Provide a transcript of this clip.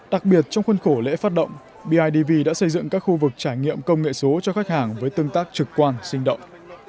đặc biệt trong khuôn khổ lễ phát động bidv đã xây dựng các khu vực trải nghiệm công nghệ số cho khách hàng với tương tác trực quan sinh động